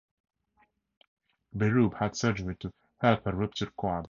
Berube had surgery to help her ruptured quad.